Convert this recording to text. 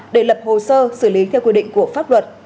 để lập hồ sơ xử lý theo quy định của pháp luật